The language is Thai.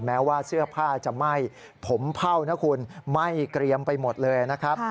แม้ว่าเสื้อผ้าจะไหม้ผมเผ่านะคุณไหม้เกรียมไปหมดเลยนะครับ